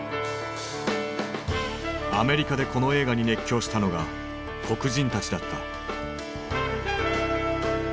アメリカでこの映画に熱狂したのが黒人たちだった。